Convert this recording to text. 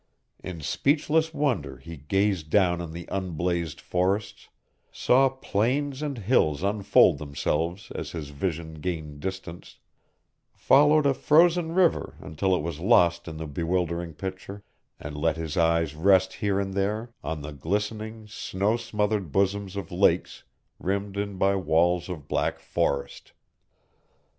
In speechless wonder he gazed down on the unblazed forests, saw plains and hills unfold themselves as his vision gained distance, followed a frozen river until it was lost in the bewildering picture, and let his eyes rest here and there on the glistening, snow smothered bosoms of lakes, rimmed in by walls of black forest.